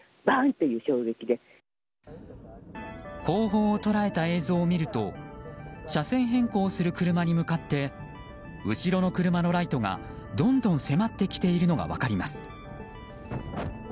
後方を捉えた映像を見ると車線変更する車に向かって後ろの車のライトがどんどん迫ってきているのが分かります。